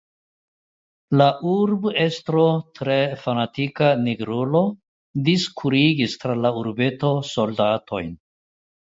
La urbestro, tre fanatika Nigrulo, diskurigis tra la urbeto soldatojn.